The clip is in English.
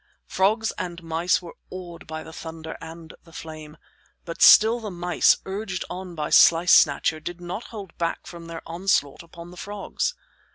Frogs and mice were awed by the thunder and the flame. But still the mice, urged on by Slice Snatcher, did not hold back from their onslaught upon the frogs.